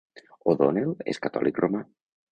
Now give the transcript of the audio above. O'Donnell és catòlic romà.